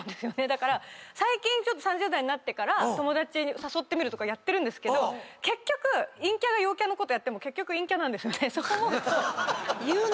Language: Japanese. だから最近３０代になってから友達誘ってみるとかやってるんですけど結局陰キャが陽キャのことやっても。